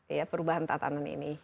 ya perubahan tatanan ini